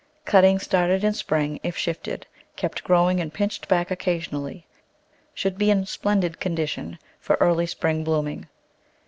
Cuttings started in spring, if shifted, kept growing and pinched back occasionally, should be in splendid condition for early spring blooming.